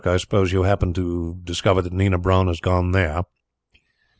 I suppose you happened to discover that Nina Brun had gone there?"